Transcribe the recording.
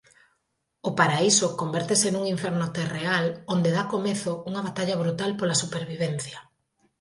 O paraíso convértese nun inferno terreal onde da comezo unha batalla brutal pola supervivencia.